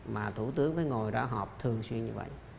mà thủ tướng phải ngồi ra họp thường xuyên như vậy